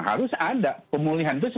harus ada pemulihan itu